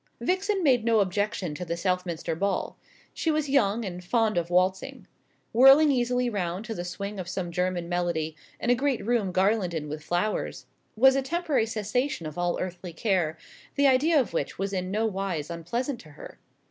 Vixen made no objection to the Southminster ball. She was young, and fond of waltzing. Whirling easily round to the swing of some German melody, in a great room garlanded with flowers, was a temporary cessation of all earthly care, the idea of which was in no wise unpleasant to her.